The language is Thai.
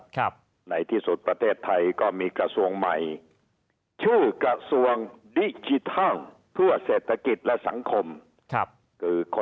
วันเนี้ยครับวันที่สิบหก